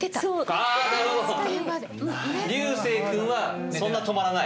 流星君はそんな止まらない？